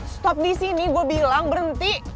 stop disini gua bilang berhenti